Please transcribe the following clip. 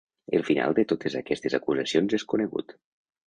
El final de totes aquestes acusacions és conegut.